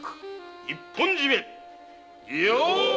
一本締め。